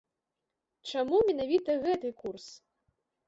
Чаму менавіта гэты курс?